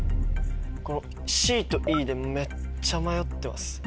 このＣとＥでめっちゃ迷ってます。